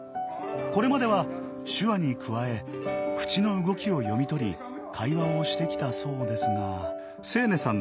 これまでは手話に加え口の動きを読み取り会話をしてきたそうですが。